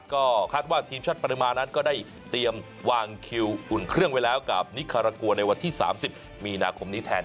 ก็คาดว่าทีมชาติปริมาณนั้นก็ได้เตรียมวางคิวอุ่นเครื่องไว้แล้วกับนิคารากัวในวันที่๓๐มีนาคมนี้แทน